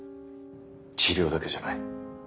治療だけじゃない。